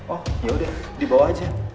oh yaudah dibawa aja